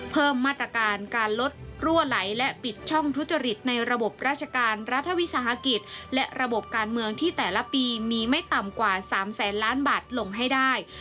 เพิ่มมาตรการการลดรั่วไหลและปิดช่องทุจริตในระบบราชการรัฐวิสาหกิจและระบบการเมืองที่แต่ละปีมีไม่ต่ำกว่า๓แสนล้านบาทลงให้ได้